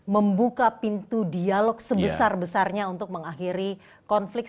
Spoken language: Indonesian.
membuka pintu dialog sebesar besarnya untuk mengakhiri konflik